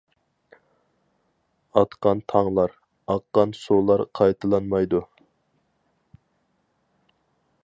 ئاتقان تاڭلار، ئاققان سۇلار قايتىلانمايدۇ.